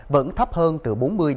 vẫn thấp hơn từ bốn mươi sáu mươi